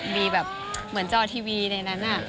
มีแบบเหมือนจอทีวีในนั้น